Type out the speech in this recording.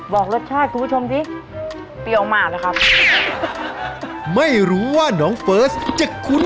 บอกรสชาติคุณผู้ชมสิเปรี้ยวมากนะครับไม่รู้ว่าน้องเฟิร์สจะคุ้น